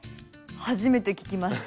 初めて聞きました。